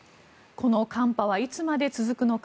この寒波はいつまで続くのか